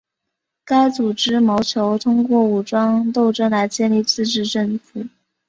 该组织谋求通过武装斗争来建立自治政府。